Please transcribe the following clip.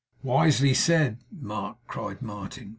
'Wisely said, Mark,' cried Martin.